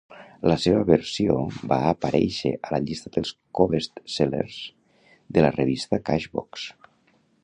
La seva versió va aparèixer a la llista dels co-best-sellers de la revista Cashbox.